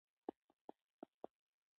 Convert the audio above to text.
پښتانه په زړورتیا جنګېږي.